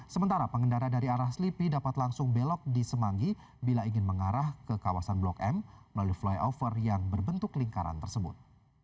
sementara pengendara dari arah selipi dapat langsung belok di semanggi bila ingin mengarah ke kawasan blok m melalui flyover yang berbentuk lingkaran tersebut